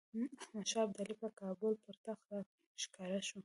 احمدشاه ابدالي په کابل پر تخت راښکاره شو.